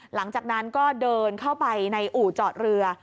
หลังจากนั้นก็เดินเข้าไปในอู่จอดเรือ